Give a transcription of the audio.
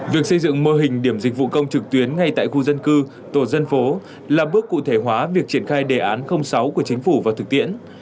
việc xây dựng mô hình điểm dịch vụ công trực tuyến ngay tại khu dân cư tổ dân phố là bước cụ thể hóa việc triển khai đề án sáu của chính phủ vào thực tiễn